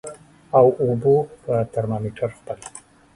او اوبو په ترمامیټر خپل